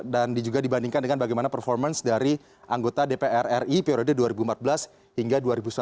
dan juga dibandingkan dengan bagaimana performance dari anggota dpr ri periode dua ribu empat belas hingga dua ribu sembilan belas